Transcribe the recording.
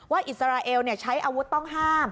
อิสราเอลใช้อาวุธต้องห้าม